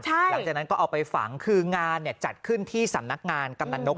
หลังจากนั้นก็เอาไปฝังคืองานจัดขึ้นที่สำนักงานกำนันนก